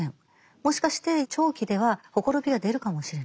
もしかして長期ではほころびが出るかもしれない。